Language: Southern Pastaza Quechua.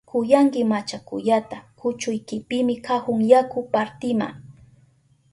¡Yuyanki machakuyata kuchuykipimi kahun yaku partima!